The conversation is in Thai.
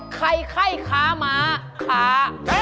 ใครไข้ค้าม้าค้า